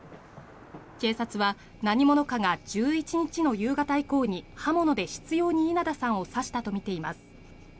警察は何者かが１１日の夕方以降に刃物で執ように稲田さんを刺したとみられています。